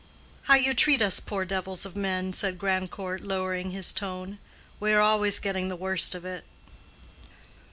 "How you treat us poor devils of men!" said Grandcourt, lowering his tone. "We are always getting the worst of it."